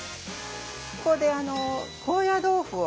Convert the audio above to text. ここで高野豆腐を。